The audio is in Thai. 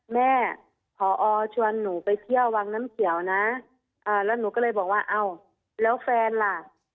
แม่พอชวนหนูไปเที่ยววังน้ำเขียวนะแล้วหนูก็เลยบอกว่าอ้าวแล้วแฟนล่ะ